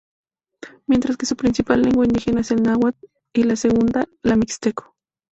Mientras que su principal lengua indígena es la Náhuatl y la segunda la Mixteco.